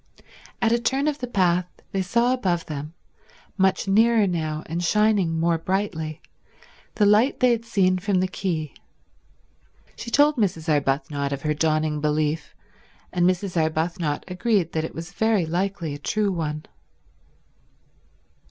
At a turn of the path they saw above them, much nearer now and shining more brightly, the light they had seen from the quay. She told Mrs. Arbuthnot of her dawning belief, and Mrs. Arbuthnot agreed that it was very likely a true one.